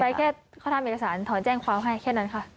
ไปแค่เข้าท่านบริษัทถอนแจ้งความให้แค่นั้นค่ะ